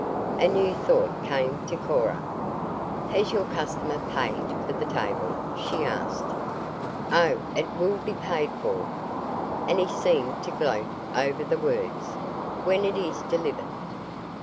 A new thought came to Cora. "Has your customer paid for the table?" she asked. "Oh, it will be paid for it will be paid for," and he seemed to gloat over the words, "when it is delivered."